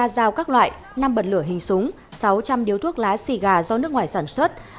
ba dao các loại năm bật lửa hình súng sáu trăm linh điếu thuốc lá xì gà do nước ngoài sản xuất